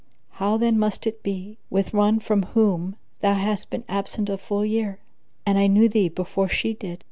How then must it be with one from whom thou hast been absent a full year, and I knew thee before she did?